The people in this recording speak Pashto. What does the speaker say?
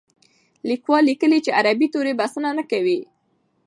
لیکوال لیکلي چې عربي توري بسنه نه کوي.